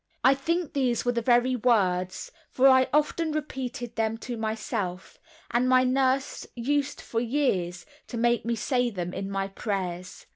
I think these were the very words, for I often repeated them to myself, and my nurse used for years to make me say them in my prayers.